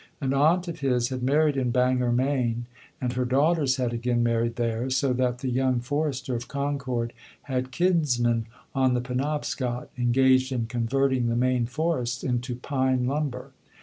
An aunt of his had married in Bangor, Maine, and her daughters had again married there, so that the young forester of Concord had kinsmen on the Penobscot, engaged in converting the Maine forests into pine lumber.